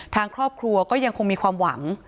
ทางครอบครัวก็ยังคงมีความหวัง